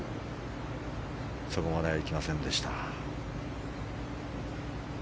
そこまでは行きませんでした。